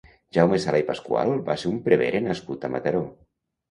Jaume Sala i Pasqual va ser un prevere nascut a Mataró.